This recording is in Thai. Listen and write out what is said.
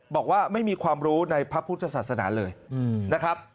บอกว่าไม่มีความรู้ในพระพุทธศาสนาเลยนะครับ